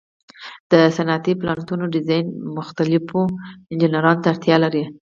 د صنعتي پلانټونو ډیزاین مختلفو انجینرانو ته اړتیا لري.